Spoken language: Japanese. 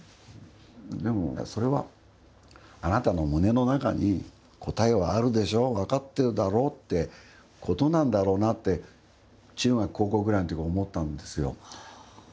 でも、それは、あなたの胸の中に答えはあるでしょう分かってるだろうってことなんだろうなって中学、高校ぐらいのときに思ったんですよ。